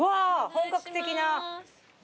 本格的な。